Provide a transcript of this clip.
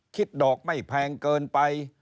ดอกไม่แพงเกินไป